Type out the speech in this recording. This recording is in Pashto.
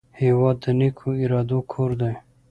هېواد د نیکو ارادو کور دی.